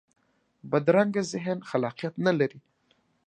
بدرنګه ذهن خلاقیت نه لري